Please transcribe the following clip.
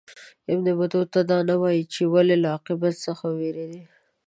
ابن بطوطه دا نه وايي چې ولي له عاقبت څخه ووېرېدی.